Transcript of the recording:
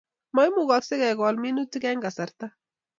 Maimukoksei kekol minutik eng kasarta